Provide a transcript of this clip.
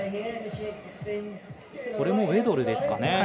これもウェドルですかね。